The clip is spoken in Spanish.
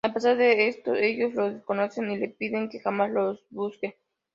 A pesar de esto ellos la desconocen y le piden que jamás los busque.